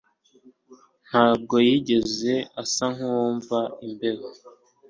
Ntabwo yigeze asa nkuwumva imbeho